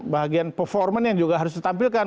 bagian performance yang juga harus ditampilkan